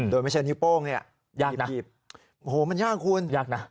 โดยไม่ใช่นิ้วโป้งเนี่ยยากโอ้โหมันยากคุณยากนะ